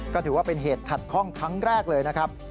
ก็ถือว่าเป็นเหตุขัดข้องครั้งแรกเลยนะครับ